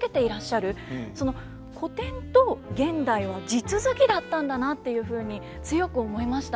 その古典と現代は地続きだったんだなっていうふうに強く思いましたね。